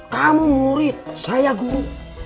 kamu murid saya guru